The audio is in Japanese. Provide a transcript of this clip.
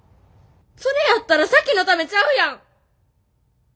それやったら咲妃のためちゃうやん。